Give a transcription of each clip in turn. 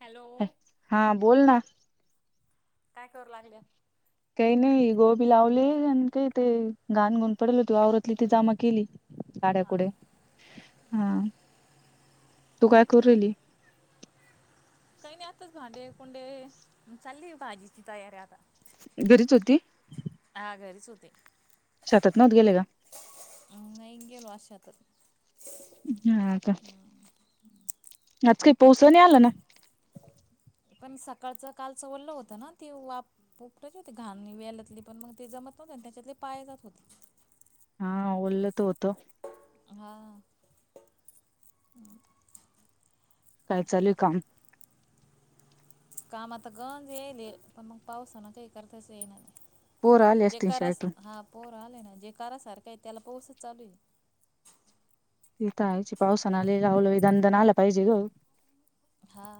Hello हा बोल ना. काय करू लागल्या. ते नाही गोबी लावले आणि काही ते घाण गुण पडल हो त आवरातली ती जामा केली. काड्याकुडे हा. तू काय करू रेली. काही नाही आताच भांडे कुंडे चालली भाजीची तयारी आता. घरीच होती. हा घरीच होते. सातत नत गेले का. नाही गेलो अशात हा का आज काही पाऊस णी आलं ना. पण सकाळच कालचं वरलं होत, ना ती वा पपटाची होती घाण वेलातली पण मग ते जमत. त्याच्यातले पाय जात होते. हा ओोलल त होत. हा. काय चालू हे काम. काम आता गंज येईल पण मग पावसा ना काही करताच येईणार पोर आले नाही. असतील जेकार शाळेतून हा पोर आले ना जेकार सारखे. य तल पोस चालू हे. तिथहायची पावसाना आले लावलं दंदन आला पाहिजे ग. हा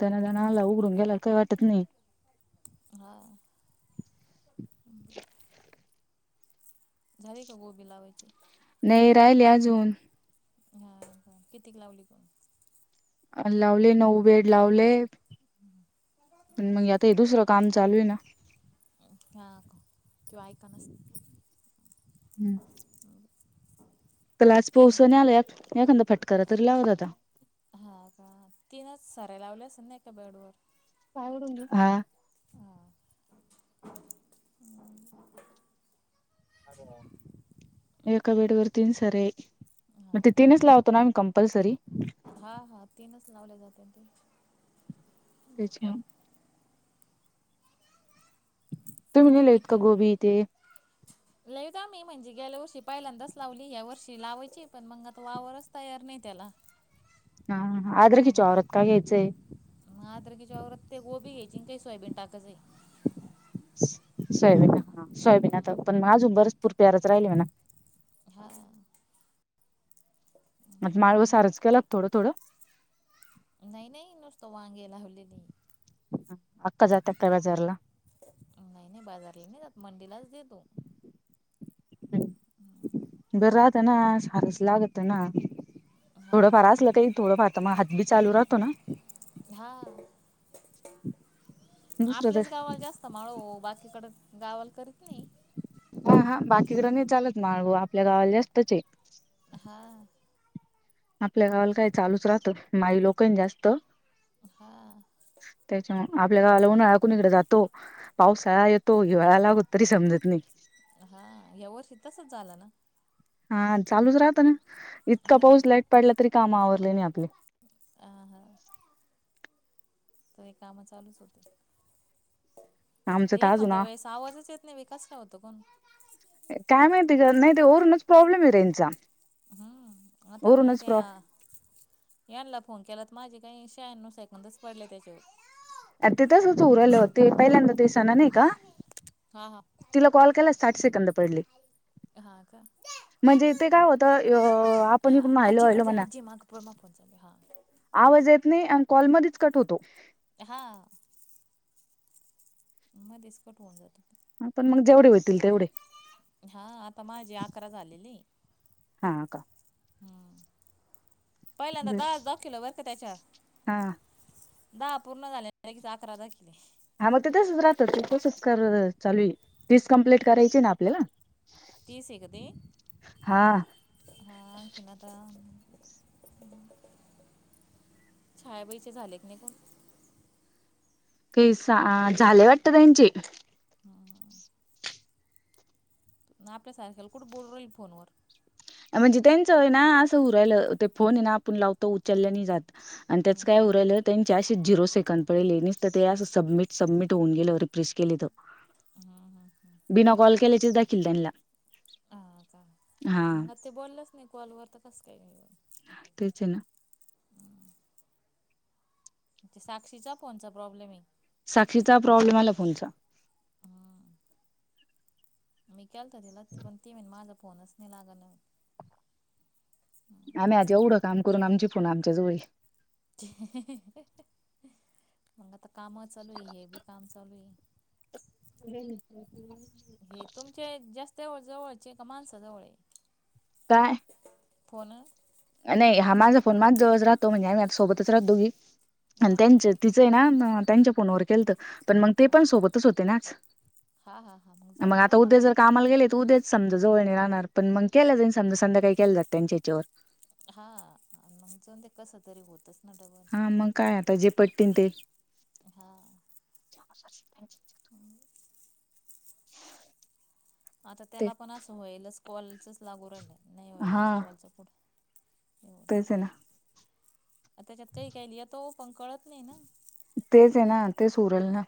त्यांना जण आला उघडून गेला काही वाटत नाही. हा. झारी का गोभी लावयचे. नाही राहिले अजून. हा कितीक लावली कोण. लावले नऊ बेड लावले. आणि मग आता हे दुसरं काम चालू आहे ना. जवय कर [unintelligible] हम्म. कलाज तीन पोहचण आलात एखादा फटकार तरी लावत आता. हा का तीनच साराय लावलेस ना एका बेड वर. काय उडून घ हा. एका बेड वर तीन सारे मग हां ते तीनच लावतो ना मी क कंपलसरी. हां हां तीनच लावल्या जातात ते [unintelligible] त्याच्या. तुम्ही लले किती इतका गोबी इथे. लईत आम्ही म्हणजे गेल्या वर्षी पहिल्यांदाच लावली, या्या वर्षी लावायची पण मग आता वावरच तयार नाही त्याला. हा आद्रकिचा वावरात कागयचेय. आद्रकिच्या वावरात ते गोबी घ्यायची काही सोयाबीन टाकच आहे. सोयाबीना सोयाबीन आता पण आजून बरच पूर प्यारच राहिल म्हणा. हा. म माळ व सारच केलाग थोडं थोडं. नाही नाही नुसतो वांगे ला हलेली. ह अका जात अकाय बजारला. नाही नाही बाजारला नाही मंडीलाच देतो. हम् बरताणा सारसलगतणा [unintelligible] थोडं हां फार असलं काही थोडंफारता म हात बी चालू राहतो ना. हा. दुसरं तर आपलेच गावाला जास्त माळ ओ बाकीकडे गावाल करीत नाही. हा हा बाकीकड नाही चालत मारगं आपल्या गावाला जास्तच हाय हा आपल्या गावाला काय चालूच राहतं माई लोक जास्त हा त्याच्या आपल्या गावाला उन्हाळा कुणीकडे जातो पाऊसाळा येतो हिवाळा लागत तरी समजत नाही. हा यावर्षी तसच झालं ना? हा चालूच राहत ना इतका हा पाऊस लाईट पडला तरी काम आवरले नाही आपले हा हा तरी काम चालूच होते. आमचं ते तर अजून एखांद्या आ वेळेस आवाजच येत नाही कस का होत पण? काय माहितीय का नाही तर ओरूनच प्रॉब्लेम आहे रे त्यांचा हम्म आता मी त्या यांनला फोन केला त माझे काही शहाणव सेकंदच पडले त्याच्यावर अ तिथंचच होतो उरलो ते पहिल्यांदा दिवसन नाही का? हा हा तिला कॉल केलास साठ सेकंद पडली. हा का? म्हणजे ते काय होतं अ आपण इ हा महिलो आजीकडे वहिलो जा म्हणा आजी माग प्रमा फोन चालू आहे. आवाज येत नाही आणि कॉलमध्येच कट होतो. हा मध्येच कट होऊन जातो. ह पण मग जेवढी होती हा आता माझी अकरा झालेली. हा का? हम् पहिल्यांदा दहा- दहा किलो व्हय का त्याच्या हा दहा पूर्ण झाले कि अकरा झाले. हा मग ते तेसच राहत कसच कर चालू तीस कम्प्लीट करायची ना आपल्याला? तीस हाय का ते? हा हा खेनाता छायाबाईचे झाले की नाही कोण? कय सा झालेय वाटत त्यांचे ना आपल्यासारख्याला कुठे बोलू राहील फोनवर म्हणजे त्यांचं ना असं हु रायल ते फोन आहे ना आपण लावतो उचलल्या नाही जात. आणि त्याच काय उरलं त्यांचे असेच झिरो सेकंड पडेले निस तर ते अस सबमिट सबमिट होऊन गेल रिप्रेस केली त बिना कॉल केल्याचेच दाखील त्यांना हा का हा मग ते बोललच नाही कॉलवर तर कस काय घ तेच ना? साक्षीचा फोनचा प्रॉब्लेम आहे. साक्षीचा प्रॉब्लेम आला फोनचा. केलत तिला पण ती म्हण माझा फोनच नाही लागना आम्ही आज एवढं काम करून आमची फोण आमच्या जवळय हे हे ह मग आता काम चालू आहे हे बी काम चालू आहे. समजत नाही. वळ जवळचे का माणसा जवळ काय? फोन नाही हा माझा फोन माझ्या जवळच राहतो, म्हणजे आम्ही सोबतच राहत दोघी आणि हां हां त्यांच हां तिचं आहे ना त्यांच्या फोनवर केलत पण मग ते हां पण हां सोबतच होते ना आज हां हां हां मग जमतं आता ना उद्या जर कामाला गेले तर उद्या समजा जवळने राहणार पण मग केलं जाई समजा केलं जाईल त्यांच्या ह्याच्यावर [unintelligible] हा मग काय आता जे पट्टन ते [inaudible] हां आता ते त्याला पण असं वईलच कॉलचच लागू राहिल नाही हो्हाल कॉलच पुढे पसे ना त्याच्यात काही काय लिता पण कळत नाही ना तेच आहे ना तेच उरल ना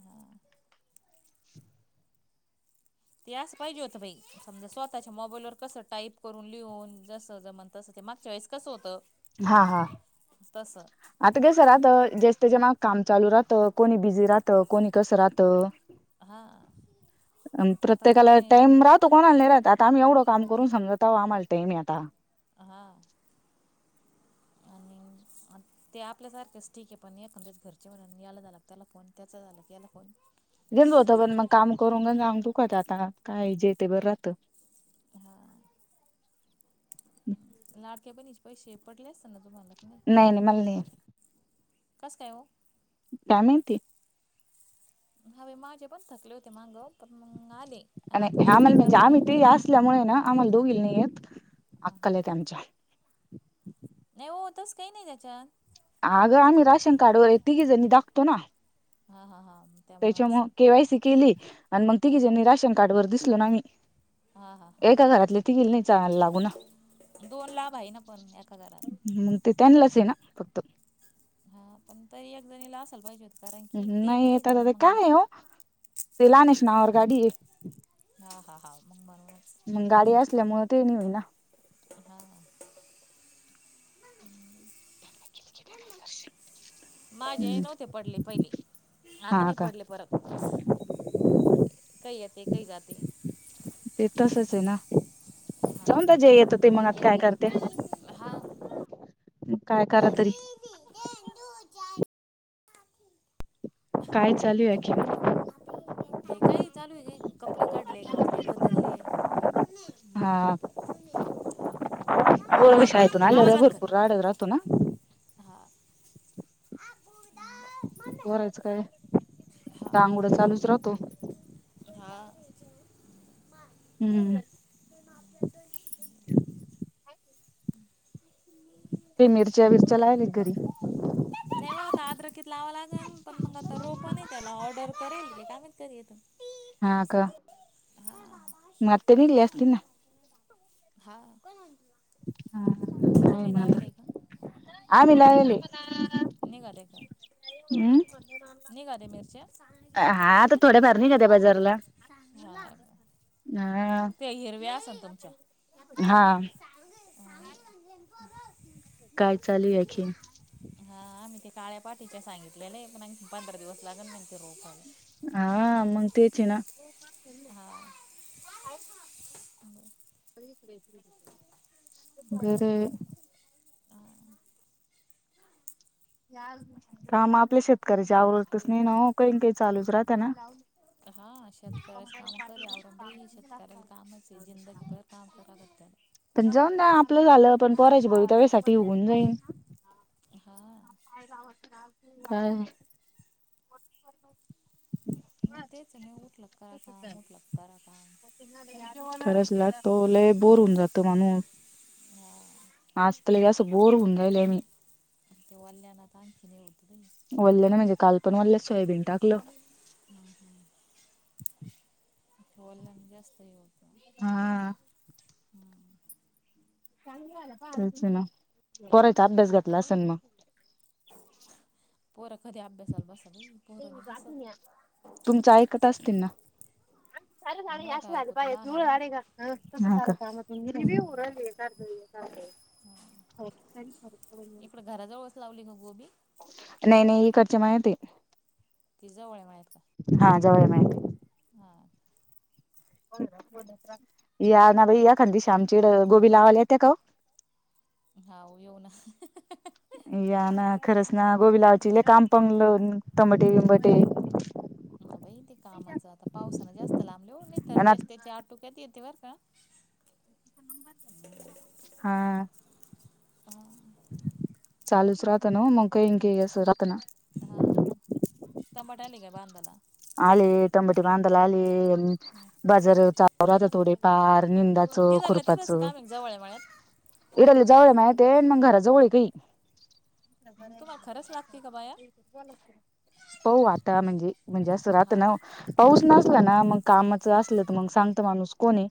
हां ते असं पाहिजे होत बाई समजा स्वतःच्या मोबाईलवरर कस टाईप करून लिहून जस जम तस ते मग चॉईस कसं होतं हा हा तसं आता कसं राहत जे त्याच्या माग काम चालू राहत कोणी बिझी राहतं कोणी कसं राहत हां अ आता प्रत्येकाला कोणी टाइम राहतो कोणा नाही राह आ आता आम्ही एवढं काम करून सगता आमलत मी आता हा आणि ते आपल्यासारखेच ठीक आहे पण एखच घरचे म्ह याला झालं त्याला फोन त्याचा झाला याला फोन घेन होत पण मग काम करून घ जाग दुखात आता काय जेते बरं राहतं हा लाडक्या पण पै शेपटले असत ना तुम्हाला की नाही नाही मला नाही येत. कस काय हो कामती हवे माझे पण थकले होते माग आणि आम्हाला म्हणजे पर आम्ही ते हां असल्यामुळे ना आम्हाला दोघी नाहीय हां अक्कल येत आमच्या तस काही नाही त्याच्यात अगं आम्ही राशन कार्ड वगैरे तिघे जणी दाखतो ना हा हा हा त्याच्यामु केवायसी केली आणि मग तिघी हां हां जनी राशन कार्ड वर दिसलो ना मी हां हां हां एका घरातली ती ग नाही ला लागू ना दोन लाभ आहे ना पण एका घरात मग ते त्यांनाच आहे ना फक्त हा पण तरी एक जणीला असाल पाहिजे हो नाही यता द का नाही हो तेलाने सु नार गाडी हां हां हां मग म्हणूनच मग गाडी असल्यामुळें ते नाही होईना हा माझे नव्हते पडले पहिले आता हा नाही का पडले परत काय येत काही जात सऊता जे येतो ते मग आता काय करते हा काय करा तरी काय चालू अखिर हे काय चालू आहे का कपडे काढले घातले बदलले हा हा नर वष आयतु नल आवाज र बंद कर बरपूर राड राातो ना हा बरायचं काय डांगोड चालूच राहतो हा हम्म हम् तेि मिरच्या विरच्या लायली घरी नाही होता आद्र कित लावां लागेल पण मग आता रोप आहे त्याला ऑर्डर करेल रे काम करथ हा का मते निल जास्तीना हा हा तुम्ही म लावेलय का? सांगितलं. आमलाली निघाले काय? हम्म निघाले मिरच्या? सांगितले हा आता थोड्या फर नाही का त्या्या बाजारला ह हा ते हिरव्या अस ना तुमच्या हा म्ह काय चालू आणखी हा मी ते काळ्या पाठीच्या सांगितलेले पण पंधरा दिवस लागल ते रोपायला. हा मग तेच आहे ना हो हा का वरे का म आपल्या शेतकऱ्याची आवडतच नाही ना काही काही चालूच राहत ना हा शेतकऱ्याच काम करे आबाई शेतकऱ्याला कामच आहे जिंदगीभर काम करा तर पण जाऊन द आपलं झालं पण परायची भवितवेसाठी उघून जाईन हा काय मग तेच न उठ लक्कार का मोठ लक्कार का त ल बोर होऊन जातो म्हणू हा आज त बोर होउन् राहिले मी आणि तेओल्या आता आणखीन येऊत वल्ल्या ना म्हणजे काल पण वल्ल्या सोयाबीन टाकल वल्ल्यानं हा हम्म तेच ना करायचा अभ्यास घातला असेन मग पोर् कधी अभ्यासाला बसा बाई पोरं नाही बस आम सार जा अस झा पा तु झाले ऐकत का ारी कत इकडं घराजवळच लावली का गोबी नाही नाही खर्चे माझ ते तिजवळ माहिती हा जवर माहिती हा या ना बाई या खांदी श्यामचीड गोबी लावाला येत्या का हा येऊ ना या ना खरच ना गोबीलावाची काम पंगलं तंबटे बंबटे ह बाई ते कामाचं आता पावसान जास्त लांबले हो नाही तर आणि आता जास् त्याचे आटोक्यात येते व हा अ चालूच रातन मंका इंकस रातन हा टबाटली का बधला आले तंबटी बांधाला आले बाजार चाल राहता थोडे पाार ंदाच तिथल्या खुरच तिथंच काम एक जवळ आहे मळ्यात इड जवळ मा मंग त्याजवळ काही तुम्हाला खरंच लागते का बाया प वाता म्हजे म्हणजे असं रात हा ना पाऊस ना ना मग कामाच असलं तर मग सांगत माणूस कोणी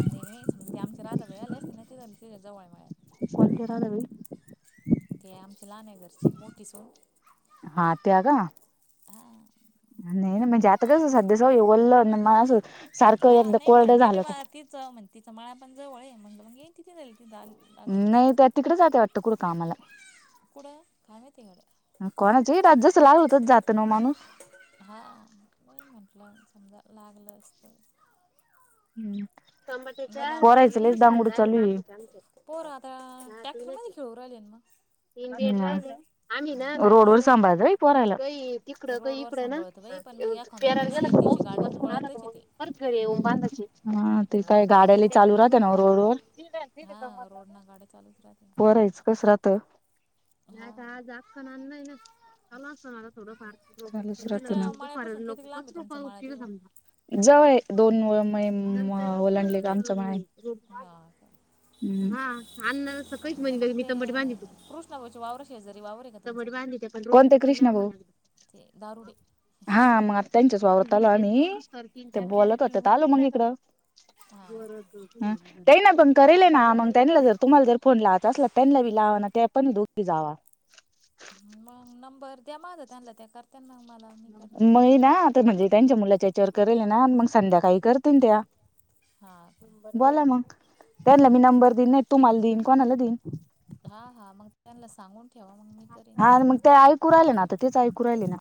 ांगले समजे ते आम राहता भ आ अस जवळ कोणते रालावी ते आमच्या लाण्या घरची मोठी सोड नेन म जाततकच सध्या सव येवल हा नाही म्हंटले मी झालं का मळा तीच हा म्हणल तिचं मळा आपण जवळे म्हणलं मग ये तिथे ती लागत नाही असेल तर तिकडेच जाते वाटत कुठ कामाला कुठं काय माहिती गड्या कोणाच जसं लागलं होतच जात ना माणूस हा म्हटलं समजा लागलं असत हम्म पोरांचं येत लेस होते दमट चालू आहे टॅक्टरमध्ये खेळू राहिले मग रोडवर सांभाळ रे का तिकडं का रोडवर इकडं ना सांभाळतं बाई पण मग एखाद्या वेळेस येतीच गाडीन पळतच ते हा ते काय गाड्या चालू राहत ना रोड व हा रोड ना गाडी चालू बरयच कस राहत नाही का हा आज आखन आणलाय ना चला असता मला तिच्या माळ्यापासून किती लांब आहे तुमचा माळ्या तिथून [inaudible] ह ओलांडले का आमचा मळा हा का हा आणणार सकाळीच ते म्हटल मग मी ते टोमॅटो आणि कृष्णाबाईचे वावर शेजारी वावर आहे का तुमचं वांगी कोणते कृष्ण भाऊ ते दारुडे हा मग त्यांच्याच वावरात नाही ते हां बोलत का होतेत आलो मग इकडं हां बर का ते ना पण करेलय ना मग त्यांना जर तुम्हाला जर फोन लावायचा असला त्यांना बी लावा ना ते पण दोघी जावा मग नंबर द्या माझ त्यांना त्या करता मग ना आता म्हणजे त्यांच्या मुलाच्या याच्यावर करेल ना मग संध्याकाळी त्या हां का बोला मग त्यांना मी नंबर दिला नाही तुम्हाला दिईन कोणाला देऊ नका हा हा मग त्यांना सांगून ठेवा मग मी करीन हा मग ते ऐकू राहिले ना आता तेच ऐकू राहिले ना